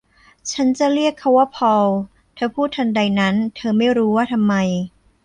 ฉันจะเรียกเขาว่าพอล เธอพูดทันใดนั้น เธอไม่รู้ว่าทำไม